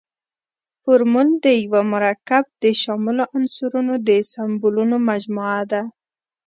فورمول د یوه مرکب د شاملو عنصرونو د سمبولونو مجموعه ده.